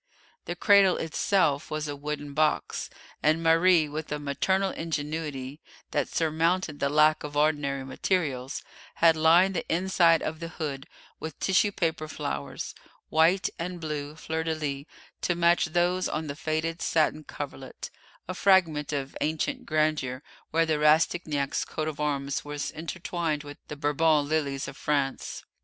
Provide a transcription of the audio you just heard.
The cradle itself was a wooden box, and Marie, with a maternal ingenuity that surmounted the lack of ordinary materials, had lined the inside of the hood with tissue paper flowers; white and blue fleurs de lis to match those on the faded satin coverlet, a fragment of ancient grandeur where the Rastignac coat of arms was intertwined with the Bourbon lilies of France.